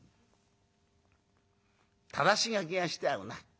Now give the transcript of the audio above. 「ただし書きがしてあるな」。